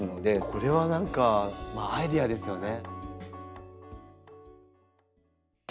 これは何かまあアイデアですよね。